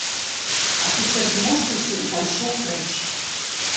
Афіцэр зморшчыўся і пайшоў прэч.